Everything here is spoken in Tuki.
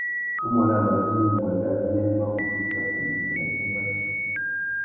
Umuênê a mà djï nguêndê azê i mà kutu tsaka unyêmê nà tsámbá rissú.